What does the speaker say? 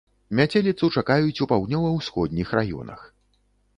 Мяцеліцу чакаюць у паўднёва-ўсходніх раёнах.